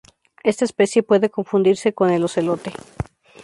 Esta especie puede confundirse con el ocelote.